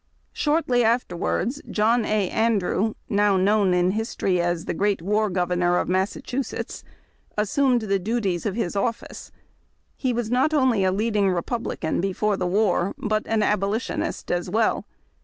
Shortly after wards John A. Andrew, now known in history as the Great War Governor of Massachusetts, assumed the duties of his office. He was not only a leading Re[)ublican before the war, but an Abolitionist as well.